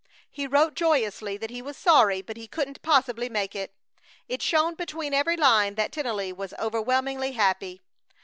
He wrote joyously that he was sorry, but he couldn't possibly make it. It shone between every line that Tennelly was overwhelmingly happy.